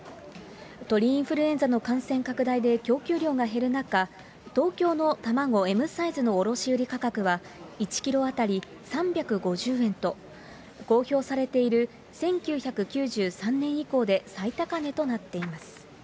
鳥インフルエンザの感染拡大で供給量が減る中、東京の卵Ｍサイズの卸売り価格は、１キロ当たり３５０円と、公表されている１９９３年以降で最高値となっています。